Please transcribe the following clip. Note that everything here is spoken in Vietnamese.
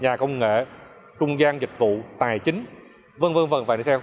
nhà công nghệ trung gian dịch vụ tài chính v v và đi theo